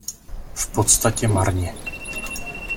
V podstatě marně.